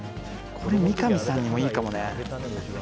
これ、三上さんにもいいかもね。